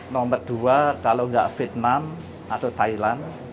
nomor dua kalau nggak vietnam atau thailand